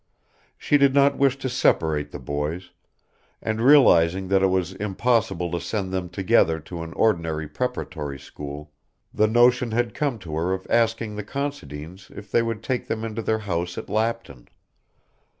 She did not wish to separate the boys, and realising that it was impossible to send them together to an ordinary preparatory school, the notion had come to her of asking the Considines if they would take them into their house at Lapton.